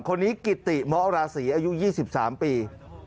คนนี้กิติเมาะราศีอายุ๒๓ปี